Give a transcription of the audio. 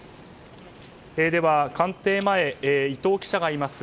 官邸前、伊藤記者がいます。